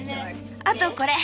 あとこれ。